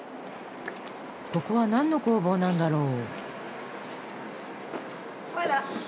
ここは何の工房なんだろう？